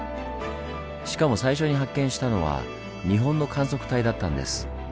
しかも最初に発見したのは日本の観測隊だったんです。